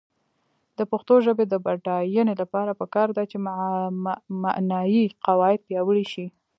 د پښتو ژبې د بډاینې لپاره پکار ده چې معنايي قواعد پیاوړې شي.